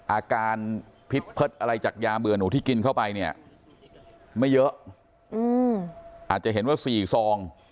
อาการพิษอะไรจากยาเบื่อหนูที่กินเข้าไปเนี่ยไม่เยอะอาจจะเห็นว่า๔ซอง